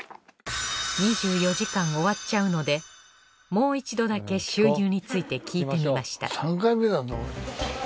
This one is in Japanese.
２４時間終わっちゃうのでもう一度だけ収入について聞いてみました